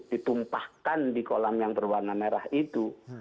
ditumpahkan di kolam yang berwarna merah itu